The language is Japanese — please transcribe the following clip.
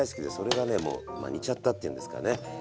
もうまあ似ちゃったっていうんですかね。